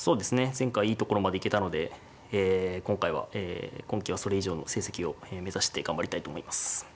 前回いいところまでいけたので今回は今期はそれ以上の成績を目指して頑張りたいと思います。